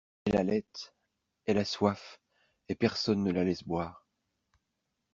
Elle halète, elle a soif, et personne ne la laisse boire.